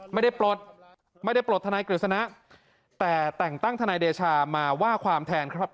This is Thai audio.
ปลดไม่ได้ปลดทนายกฤษณะแต่แต่งตั้งทนายเดชามาว่าความแทนครับ